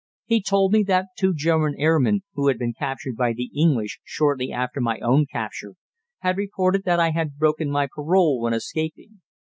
He told me that two German airmen, who had been captured by the English shortly after my own capture, had reported that I had broken my parole when escaping.